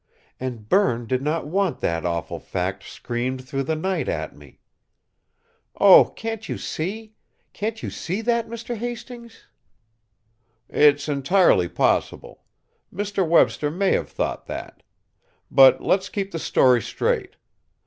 And Berne did not want that awful fact screamed through the night at me. Oh, can't you see can't you see that, Mr. Hastings?" "It's entirely possible; Mr. Webster may have thought that. But let's keep the story straight.